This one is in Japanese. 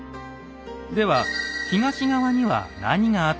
では東側には何があったのでしょうか？